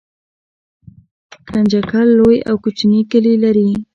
ګنجګل لوی او کوچني کلي لري